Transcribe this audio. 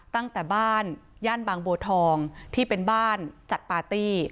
ตั้งแต่บ้านย่านบางบัวทองที่เป็นบ้านจัดปาร์ตี้